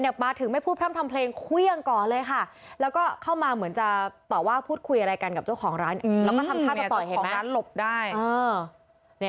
คือเนี่ยคุณผู้ชมดูเนี่ย